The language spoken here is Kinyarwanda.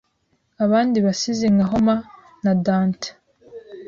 Abandi basizi nka Homer na Dante